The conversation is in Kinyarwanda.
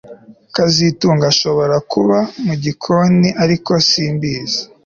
kazitunga ashobora kuba mu gikoni ariko simbizi